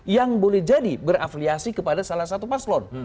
yang boleh jadi berafliasi kepada salah satu paslon